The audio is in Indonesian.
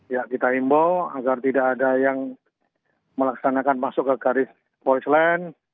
ya kita imbau agar tidak ada yang melaksanakan masuk ke garis polis lain